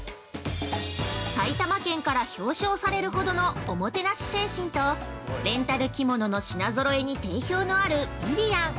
◆埼玉県から表彰されるほどのおもてなし精神とレンタル着物の品ぞろえに定評のある「美々案」。